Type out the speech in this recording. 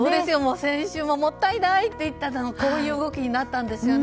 先週も、もったいないと言ったあとにこういう動きになったんですよね。